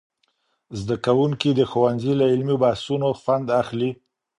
زدهکوونکي د ښوونځي له علمي بحثونو خوند اخلي.